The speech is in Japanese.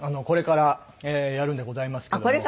これからやるんでございますけども。